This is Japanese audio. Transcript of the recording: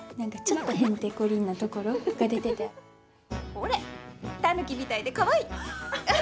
ほれ、タヌキみたいでかわいい。